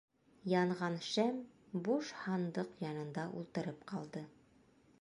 Янған шәм буш һандыҡ янында ултырып ҡалды.